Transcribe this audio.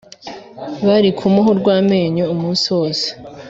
Bari kumuha urw ‘amenyo umunsi wose